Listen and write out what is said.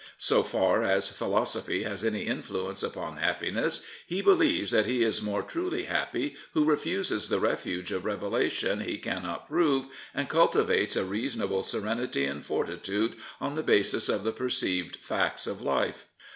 So far as philosophy has any influence upon happiness, he believes that he is more truly happy who refuses the refuge of revelation he cannot prove and cultivates a reasoned serenity and fortitude on the basis of the perceived facts of life.